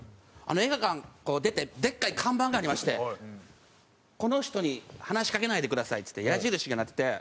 映画館出てでっかい看板がありまして「この人に話しかけないでください」って矢印がなってて。